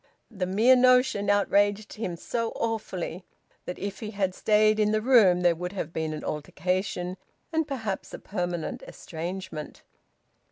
The mere notion outraged him so awfully that if he had stayed in the room there would have been an altercation and perhaps a permanent estrangement.